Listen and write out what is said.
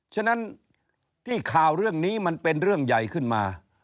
ฉะนั้นที่ข่าวเรื่องนี้มันเป็นเรื่องใหญ่ขึ้นมา